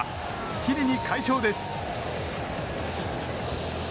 チリに快勝です。